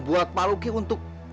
buat pak luki untuk